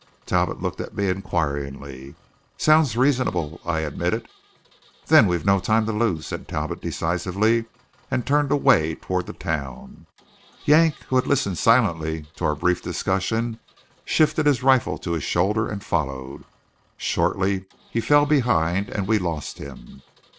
Talbot looked at me inquiringly. "Sounds reasonable," I admitted. "Then we've no time to lose," said Talbot decisively, and turned away toward the town. Yank, who had listened silently to our brief discussion, shifted his rifle to his shoulder and followed. Shortly he fell behind; and we lost him.